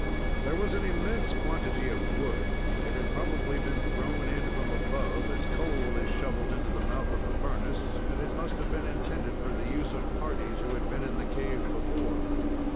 There was an immense quantity of wood; it had probably been thrown in from above, as coal is shoveled into the mouth of a furnace, and it must have been intended for the use of parties who had been in the cave before.